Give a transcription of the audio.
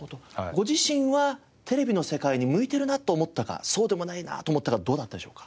ご自身はテレビの世界に向いてるなと思ったかそうでもないなと思ったかどうだったでしょうか？